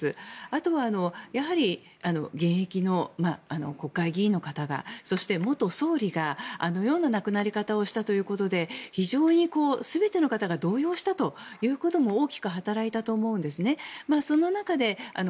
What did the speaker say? あとは、現役の国会議員の方がそして、元総理があのような亡くなり方をしたということで非常に全ての方が動揺したということも大きく働いたと思うんですね。